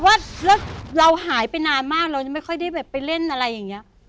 แล้วเราหายไปนานมากเราไม่ค่อยได้ไปเล่นอะไรอย่างเงี้ย